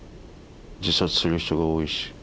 自殺する人が多いし。